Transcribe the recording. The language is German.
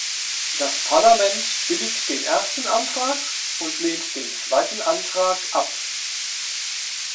Das Parlament billigt den ersten Antrag und lehnt den zweiten Antrag ab.